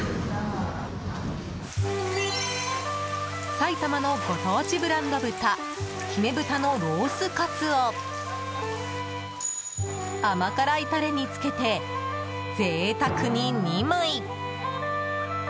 埼玉のご当地ブランド豚姫豚のロースカツを甘辛いタレにつけて贅沢に２枚！